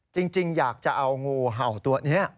จริงอยากจะเอางูเห่าตัวนี้